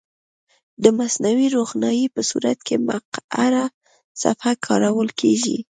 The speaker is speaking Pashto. د مصنوعي روښنایي په صورت کې مقعره صفحه کارول کیږي.